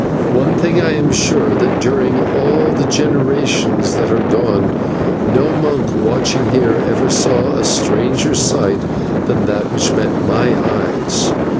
Of one thing I am sure, that during all the generations that are gone no monk watching here ever saw a stranger sight than that which met my eyes.